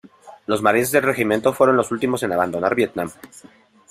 Los marines del Regimiento fueron los últimos en abandonar Vietnam.